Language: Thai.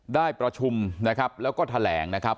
ได้ประชุมนะครับแล้วก็แถลงนะครับ